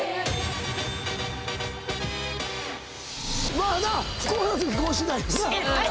まあな不幸なときこうしないよな。